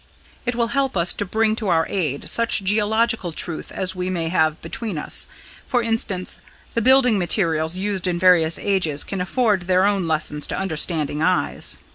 It will help us to bring to our aid such geological truth as we may have between us. For instance, the building materials used in various ages can afford their own lessons to understanding eyes.